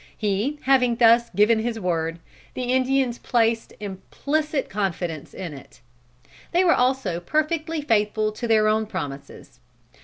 He having thus given his word, the Indians placed implicit confidence in it. They were also perfectly faithful to their own promises.